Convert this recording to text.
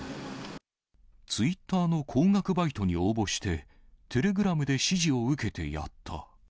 ツイッターの高額バイトに応募して、テレグラムで指示を受けてやった。